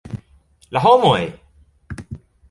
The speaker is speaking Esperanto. La homoj!..